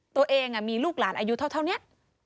ตัวเองมีลูกหลานอายุเท่านี้